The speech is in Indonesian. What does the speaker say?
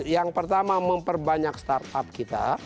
yang pertama memperbanyak start up kita